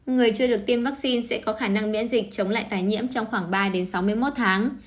người chưa được tiêm vaccine sẽ có khả năng miễn dịch chống lại tài nhiễm trong khoảng ba sáu mươi một tháng